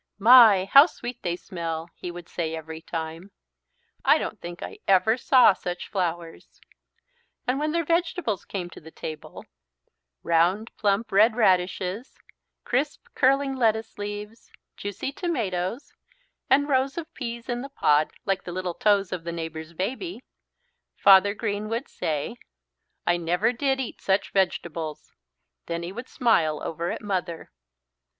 "My, how sweet they smell!" he would say every time. "I don't think I ever saw such flowers." And when their vegetables came to the table round plump red radishes, crisp curling lettuce leaves, juicy tomatoes, and rows of peas in the pod, like the little toes of the neighbour's baby, Father Green would say: "I never did eat such vegetables!" Then he would smile over at Mother.